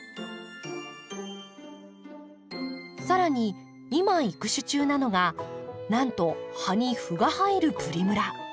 更に今育種中なのがなんと葉に斑が入るプリムラ。